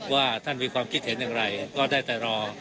ว่าท่านมีความคิดเห็นอย่างไรก็ได้แต่รอ